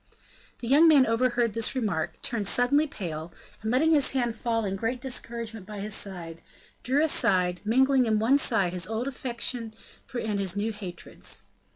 The young man overheard this remark, turned suddenly pale, and, letting his hands fall in great discouragement by his side, drew aside, mingling in one sigh his old affection and his new hatreds.